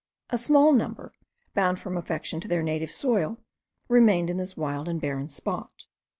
A small number, bound from affection to their native soil, remained in this wild and barren spot.